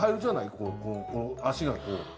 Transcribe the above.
こう足がこう。